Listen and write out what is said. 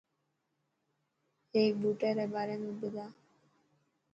هيڪ ٻوٽي ري باري۾ ٻڌا.